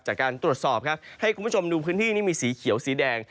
จากการตรวจสอบครับให้คุณผู้ชมดูพื้นที่นี่มีสีเขียวสีแดง